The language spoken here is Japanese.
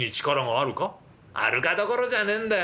「あるかどころじゃねえんだよ。